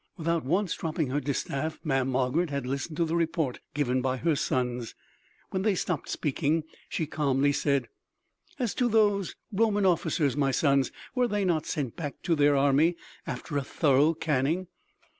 Without once dropping her distaff, Mamm' Margarid had listened to the report given by her sons. When they stopped speaking she calmly said: "As to those Roman officers, my sons, were they not sent back to their army after a thorough caning?"